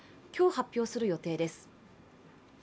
今日、発表する予定です。